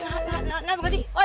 hei berhenti lah